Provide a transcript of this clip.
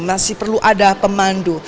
masih perlu ada pemandu